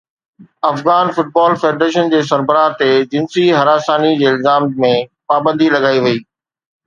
Afghan football federation جي سربراهه تي جنسي هراساني جي الزام ۾ پابندي لڳائي وئي